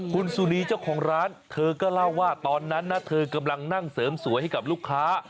คุณสุนีเจ้าของร้านเธอก็เล่าว่าตอนนั้นนะเธอกำลังนั่งเสริมสวยให้กับลูกค้า